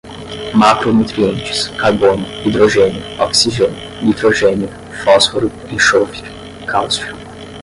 macronutrientes, carbono, hidrogênio, oxigênio, nitrogênio, fósforo, enxofre, cálcio